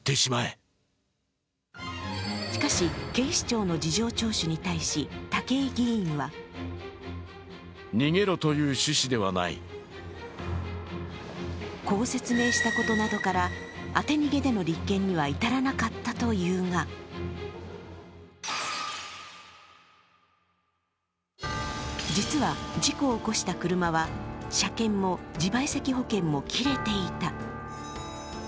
しかし警視庁の事情聴取に対し、武井議員はこう説明したことなどから当て逃げでの立件には至らなかったというが実は事故を起こした車は車検も自賠責保険も切れていた。